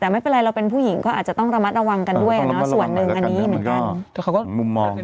แต่ไม่เป็นไรเราเป็นผู้หญิงก็อาจจะต้องระมัดระวังกันด้วยส่วนหนึ่งอันนี้เหมือนกัน